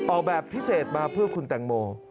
ออกแบบพิเศษมาเพื่อคุณแตงโม